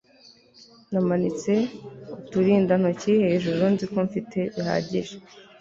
Namanitse uturindantoki hejuru nzi ko mfite bihagije